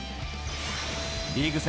リーグ戦